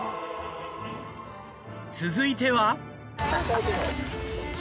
続いては。